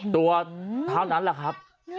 ตัวเท่านั้นแหละครับ